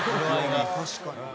確かに。